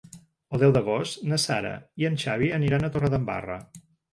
El deu d'agost na Sara i en Xavi aniran a Torredembarra.